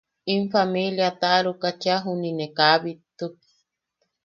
In familia taʼaruka cheʼa juniʼi ne kaa bittuk.